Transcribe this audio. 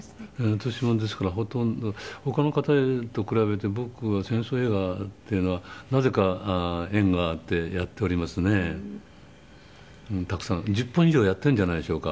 私もですからほとんど他の方と比べて僕は戦争映画っていうのはなぜか縁があってやっておりますね。たくさん１０本以上やっているんじゃないでしょうか。